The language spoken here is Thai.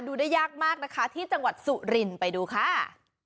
ดูได้ยากมากนะคะที่จังหวัดสุรินไปดูค่ะ